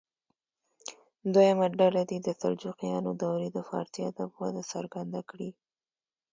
دویمه ډله دې د سلجوقیانو دورې د فارسي ادب وده څرګنده کړي.